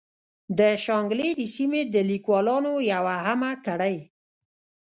د شانګلې د سيمې د ليکوالانو يوه اهمه کړۍ